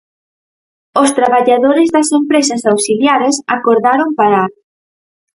Os traballadores das empresas auxiliares acordaron parar.